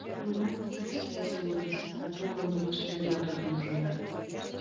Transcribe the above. Могай-могай связь уло гын, сату кондымаште гына тудым ужына.